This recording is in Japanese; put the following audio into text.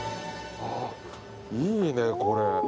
いいね、これ。